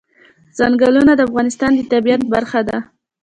ځنګلونه د افغانستان د طبیعت برخه ده.